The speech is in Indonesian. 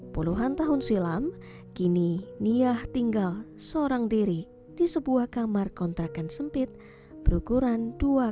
puluhan tahun silam kini nia tinggal seorang diri di sebuah kamar kontrakan sempit berukuran dua x dua meter